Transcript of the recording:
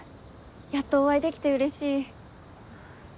やっとお会いできてうれしい。